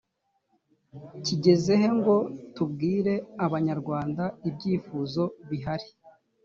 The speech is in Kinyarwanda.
kigeze he ngo tubwire abanyarwanda ibyifuzo bihari‽